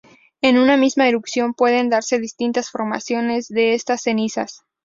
En una misma erupción pueden darse distintas formaciones de estas cenizas.